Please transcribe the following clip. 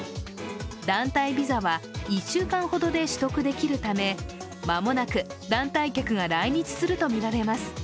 団体ビザは１週間ほどで取得できるため、間もなく団体客が来日するとみられます。